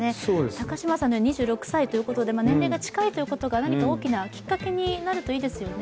高島さんは２６歳ということで年齢が近いということが何か大きなきっかけになるといいですよね。